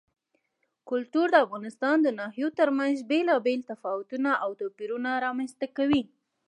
کلتور د افغانستان د ناحیو ترمنځ بېلابېل تفاوتونه او توپیرونه رامنځ ته کوي.